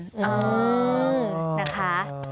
อ๋อนะคะ